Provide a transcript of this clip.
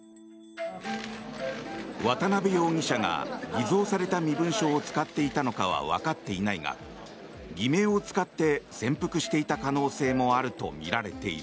渡邉容疑者が偽造された身分証を使っていたのかはわかっていないが偽名を使って潜伏していた可能性もあるとみられている。